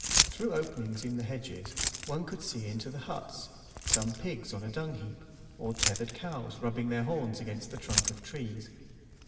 Through openings in the hedges one could see into the huts, some pigs on a dung heap, or tethered cows rubbing their horns against the trunk of trees.